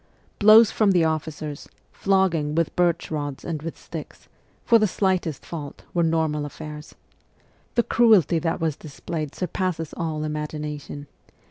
Blows from the officers, flogging with birch rods and with sticks, for the slightest fault, were normal affairs. The cruelty that was displayed sur passes all imagination.